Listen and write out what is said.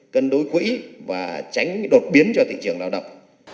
cân đối quỹ và tránh đột biến cho thị trường lao động